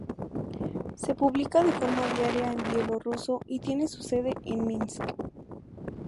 Se publica de forma diaria en bielorruso y tiene su sede en Minsk.